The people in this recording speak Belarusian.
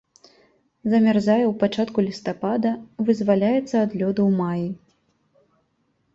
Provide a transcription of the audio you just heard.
Замярзае ў пачатку лістапада, вызваляецца ад лёду ў маі.